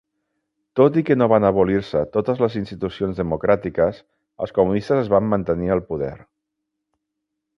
Tot i que no van abolir-se totes les institucions democràtiques, els comunistes es van mantenir al poder.